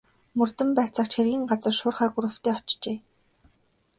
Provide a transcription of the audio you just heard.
Мөрдөн байцаагч хэргийн газар шуурхай групптэй очжээ.